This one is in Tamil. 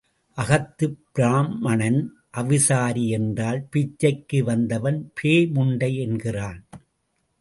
அகத்துப் பிராம்மணன் அவிசாரி என்றால் பிச்சைக்கு வந்தவன் பேய் முண்டை என்கிறான்.